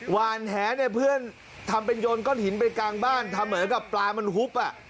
หวานแหเนี่ยเพื่อนทำเป็นโยนก้อนหินไปกลางบ้านทำเหมือนกับปลามันฮุบ